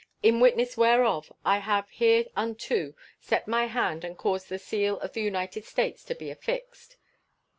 In witness whereof I have hereunto set my hand and caused the seal of the United States to be affixed.